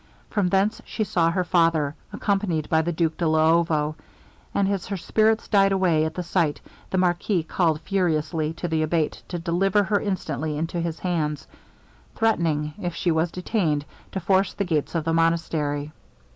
From thence she saw her father, accompanied by the Duke de Luovo; and as her spirits died away at the sight, the marquis called furiously to the Abate to deliver her instantly into his hands, threatening, if she was detained, to force the gates of the monastery.